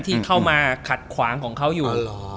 ที่เข้ามาขัดขวางของเขาอยู่